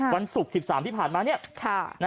วันศุกร์๑๓ที่ผ่านมา